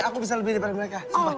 aku bisa lebih daripada mereka